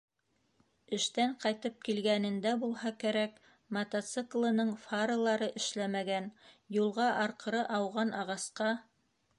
Эштән ҡайтып килгәнендә булһа кәрәк, мотоциклының фаралары эшләмәгән, юлға арҡыры ауған ағасҡа...